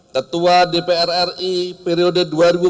ketua dpr ri periode dua ribu empat dua ribu sembilan